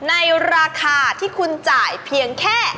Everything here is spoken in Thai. ในราคาที่คุณจ่ายเพียงแค่